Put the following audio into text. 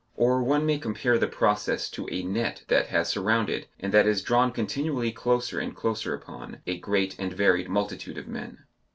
Or one may compare the process to a net that has surrounded, and that is drawn continually closer and closer upon, a great and varied multitude of men.